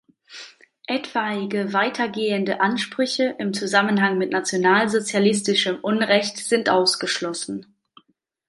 Etwaige weitergehende Ansprüche im Zusammenhang mit nationalsozialistischem Unrecht sind ausgeschlossen.